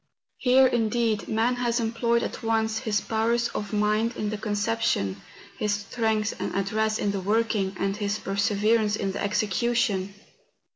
Here, indeed, man has employed at once his powers of mind in the conception, his strength and address in the working, and his per¬ severance in the execution.